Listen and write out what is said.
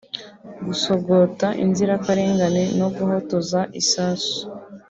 gusogota inzirakarengane no guhotoza isasu